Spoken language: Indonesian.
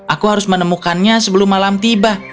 aku harus menemukannya sebelum malam tiba